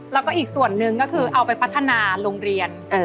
แล้วก็อีกส่วนหนึ่งก็คือเอาไปพัฒนาโรงเรียน